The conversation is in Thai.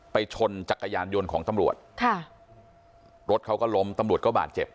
ชนจักรยานยนต์ของตำรวจค่ะรถเขาก็ล้มตำรวจก็บาดเจ็บ